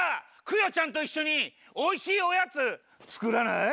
クヨちゃんといっしょにおいしいおやつつくらない？